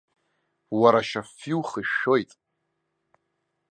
Уара ашьа фҩы ухышәшәоит.